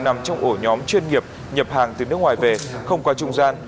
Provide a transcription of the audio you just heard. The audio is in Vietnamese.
nằm trong ổ nhóm chuyên nghiệp nhập hàng từ nước ngoài về không qua trung gian